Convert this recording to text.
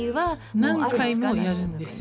何回もやるんですよ。